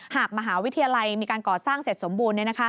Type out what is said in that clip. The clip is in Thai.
หากมหาวิทยาลัยมีการก่อสร้างเสร็จสมบูรณ์